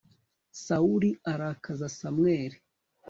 sawuli arakaza samweli